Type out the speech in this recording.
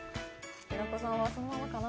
平子さんはそのままかな？